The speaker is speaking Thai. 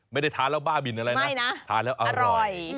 ไม่ได้ทานแล้วบ้าบินอะไรนะทานแล้วอร่อย